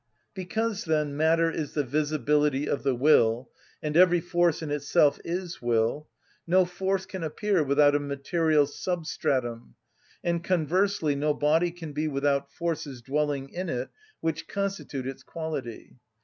Because, then, matter is the visibility of the will, and every force in itself is will, no force can appear without a material substratum, and conversely no body can be without forces dwelling in it which constitute its quality.